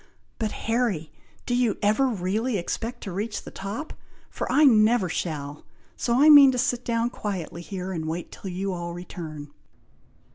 But Harry! do you ever really expect to reach the top? for I never shall; so I mean to sit down quietly here, and wait till you all return."